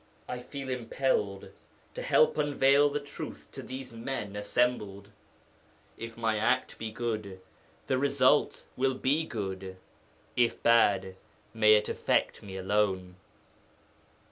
_) 'I feel impelled to help unveil the Truth to these men assembled. If my act be good the result will be good; if bad, may it affect me alone!